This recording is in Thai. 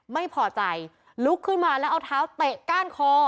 ไม่พอใจลุกขึ้นมาแล้วเอาเท้าเตะก้านคอ